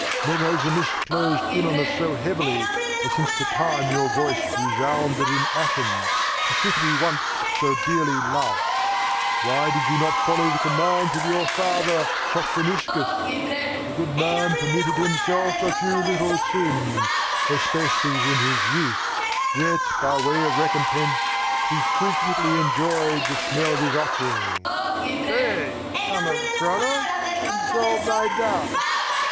Never has the mist closed in on us so heavily as since the time your voice resounded in Athens, the city we once so dearly loved. Why did you not follow the commands of your father, Sophroniscus? The good man permitted himself a few little sins, especially in his youth, yet by way of recompense, we frequently enjoyed the smell of his offerings " "Stay, son of Cronos, and solve my doubts!